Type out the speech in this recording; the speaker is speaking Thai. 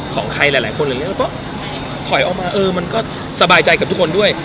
ของใครหลายคนอย่างนี้เราก็ถอยออกมาเออมันก็สบายใจกับทุกคนด้วย